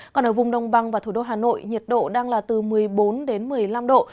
còn ở vùng đông băng và thủ đô hà nội nhiệt độ đang là từ một mươi bốn đến một mươi năm độ